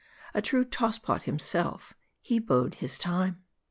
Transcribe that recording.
A true toss pot himself, he bode his time.